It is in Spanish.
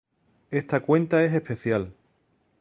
Esta cuenta es especial,